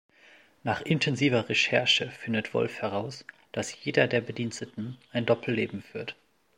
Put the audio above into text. Nach intensiver Recherche findet Wolf heraus, dass jeder der Bediensteten ein Doppelleben führt.